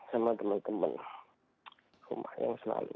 sama teman teman rumah yang selalu